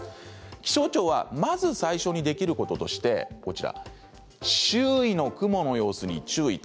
気象庁はまず最初にできることとして周囲の雲の様子に注意。